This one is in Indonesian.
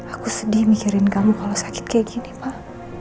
aku sedih mikirin kamu kalau sakit kayak gini pak